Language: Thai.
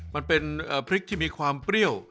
มันเป็นพริกที่มีความเปรี้ยว